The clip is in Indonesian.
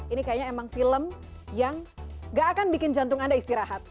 ini kayaknya emang film yang gak akan bikin jantung anda istirahat